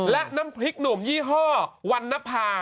และน้ำพริกหนุ่มยี่ห้อวันนภา